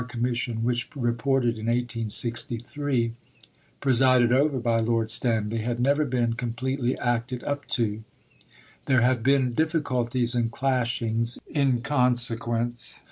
Commission which reported in 1863 (presided over by Lord Stanley) had never been completely acted up to there have been difficulties and clashings in consequence.